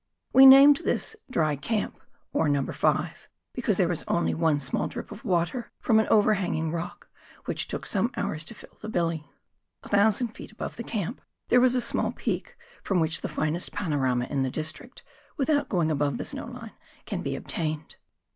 This we named Dry Camp (or No. 5), because there was only one small drip of water from an overhanging rock, which took some hours to fill the "billy." A thousand feet above the camp there was a small peak, from which the finest panorama in the district — without going above the snow line — can be obtained.